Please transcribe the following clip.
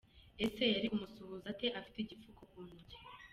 ese yari kumusuhuza ate afite igipfuko ku ntoki ?